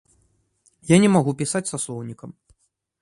Я не магу пісаць са слоўнікам.